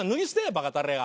バカたれが。